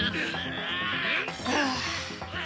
ああ。